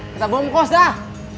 kita bom kos dah